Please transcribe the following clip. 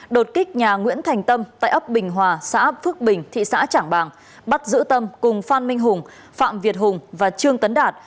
đột kích nhà nguyễn thành tâm tại ấp bình hòa xã phước bình thị xã trảng bàng bắt giữ tâm cùng phan minh hùng phạm việt hùng và trương tấn đạt